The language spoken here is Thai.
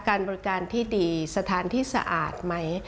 การบริการที่ดีสถานที่สะอาดไหม